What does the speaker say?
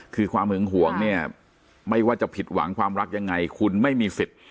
คือความหึงหวงเนี่ยไม่ว่าจะผิดหวังความรักยังไงคุณไม่มีสิทธิ์